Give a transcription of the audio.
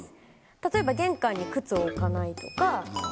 例えば玄関に靴を置かないとか。